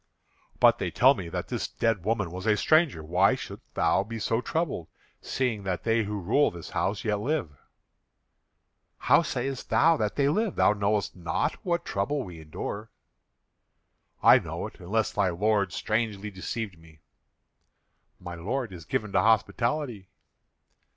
"But they tell me that this dead woman was a stranger. Why shouldst thou be so troubled, seeing that they who rule this house yet live?" "How sayest thou that they live? Thou knowest not what trouble we endure." "I know it, unless thy lord strangely deceived me." "My lord is given to hospitality."